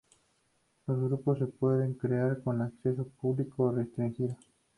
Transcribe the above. Los grupos se pueden crear con acceso público o restringido.